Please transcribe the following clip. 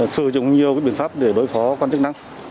sử dụng nhiều biện pháp để đối phó quan chức năng